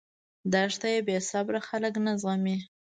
دښته بېصبره خلک نه زغمي.